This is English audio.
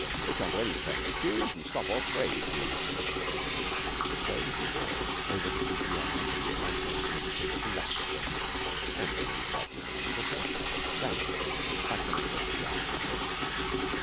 Hitch on to any train you choose and stop off where you choose.' So she bore us over the C.P.R. from the Atlantic to the Pacific and back, and when we had no more need of her, vanished like the mango tree after the trick.